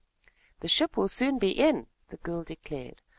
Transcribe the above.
"The ship will soon be in," the girl declared.